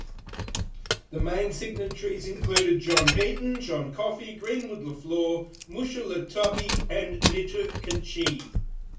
The main signatories included John Eaton, John Coffee, Greenwood Leflore, Musholatubbee, and Nittucachee.